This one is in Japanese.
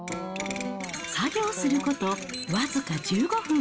作業すること僅か１５分。